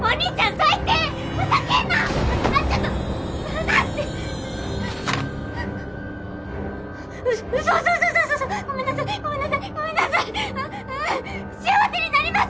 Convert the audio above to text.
絶対幸せになります！